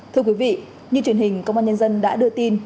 thưa quý vị như truyền hình công an nhân dân đã đưa tin